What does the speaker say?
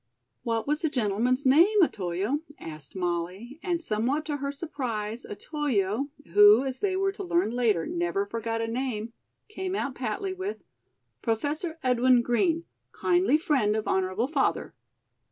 "What was the gentleman's name, Otoyo?" asked Molly; and somewhat to her surprise Otoyo, who, as they were to learn later, never forgot a name, came out patly with: "Professor Edwin Green, kindly friend of honorable father."